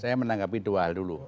saya menanggapi dua hal dulu